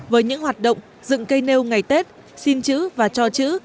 với những hoạt động dựng cây nêu ngày tết xin chữ và cho chữ